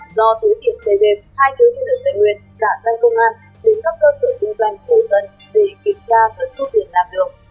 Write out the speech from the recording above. do thứ tiện chảy rệt hai thướng nhân ở tây nguyên xả danh công an đến các cơ sở tương canh phố dân để kiểm tra rồi thu tiền làm đường